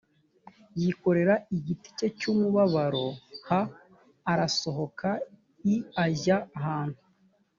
yikorera igiti cye cy umubabaro h arasohoka i ajya ahantu